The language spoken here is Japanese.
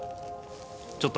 ちょっと。